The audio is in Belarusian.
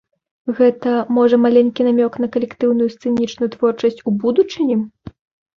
Гэта, можа, маленькі намёк на калектыўную сцэнічную творчасць у будучыні?